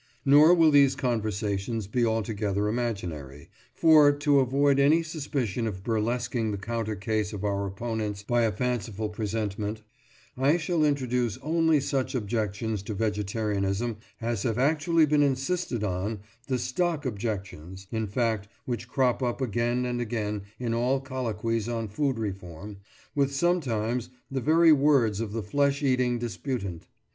Nor will these conversations be altogether imaginary, for, to avoid any suspicion of burlesquing the counter case of our opponents by a fanciful presentment, I shall introduce only such objections to vegetarianism as have actually been insisted on—the stock objections, in fact, which crop up again and again in all colloquies on food reform—with sometimes the very words of the flesh eating disputant.